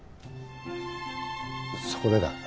そこでだ。